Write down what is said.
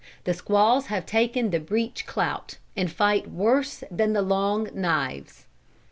The squaws have taken the breech clout, and fight worse than the long knives."